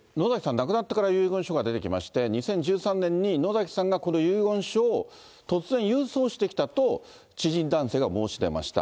亡くなってから遺言書が出てきまして、２０１３年に野崎さんがこの遺言書を突然郵送してきたと、知人男性が申し出ました。